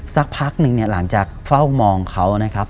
สักพักนึงเนี่ยหลังจากเฝ้ามองเขานะครับ